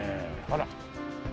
あら。